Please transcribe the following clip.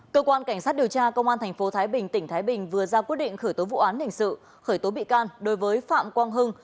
cơ quan cảnh sát điều tra công an tp thái bình tỉnh thái bình vừa ra quyết định khởi tố vụ án hình sự khởi tố bị can đối với phạm quang hưng